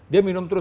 dia minum terus